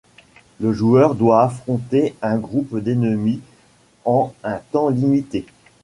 Le joueur doit affronter un groupe d'ennemis en un temps limité.